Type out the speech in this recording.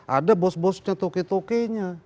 ada bos bosnya toke tokenya